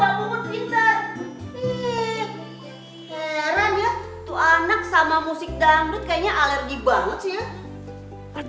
heran ya tuh anak sama musik dangdut kayaknya alergi banget sih ya ada